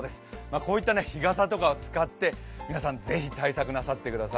こういった日傘とかを使って皆さんぜひ対策なさってください。